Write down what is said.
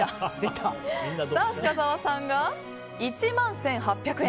深澤さんが１万１８００円。